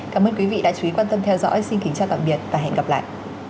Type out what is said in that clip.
cảm ơn quý vị đã chú ý quan tâm theo dõi xin kính chào tạm biệt và hẹn gặp lại